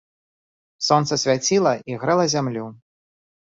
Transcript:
Сонца свяціла і грэла зямлю.